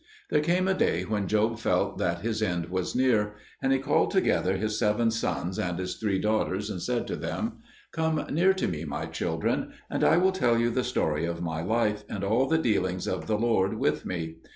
There came a day when Job felt that his end was near; and he called together his seven sons and his three daughters, and said to them: Come near to me, my children, and I will tell you the story of my life, and all the dealings of the Lord with me.